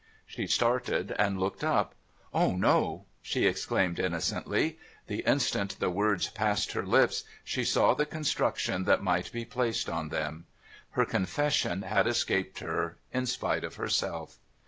She started, and looked up. ' O, no !' she exclaimed innocently. The instant the words passed her lips, she saw the construction that might be placed on them. Her confession had escaped her in spite of herself.